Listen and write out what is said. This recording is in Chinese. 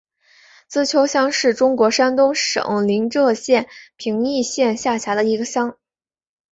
资邱乡是中国山东省临沂市平邑县下辖的一个乡。